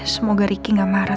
semoga ricky enggak marah